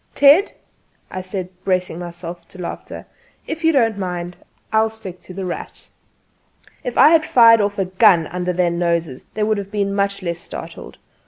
"Ted," I said, bracing myself for the laughter, "if you don't mind, I'll stick to 'The Rat.'" If I had fired off a gun under their noses they would have been much less startled.